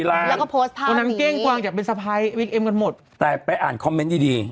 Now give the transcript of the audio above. ๒๔ล้านแล้วก็โพสต์ภาพนี้แต่ไปอ่านคอมเม้นต์ดี